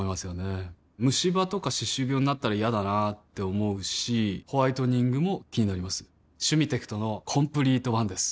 ムシ歯とか歯周病になったら嫌だなって思うしホワイトニングも気になります「シュミテクトのコンプリートワン」です